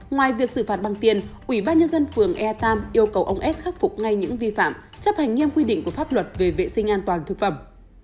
ngoài việc xử phạt bằng tiền ubnd phường airtown yêu cầu ông is khắc phục ngay những vi phạm chấp hành nghiêm quy định của pháp luật về vệ sinh an toàn thực phẩm